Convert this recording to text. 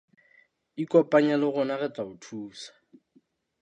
Ikopanye le rona re tla o thusa.